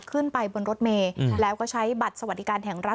ขึ้นไปบนรถเมย์แล้วก็ใช้บัตรสวัสดิการแห่งรัฐ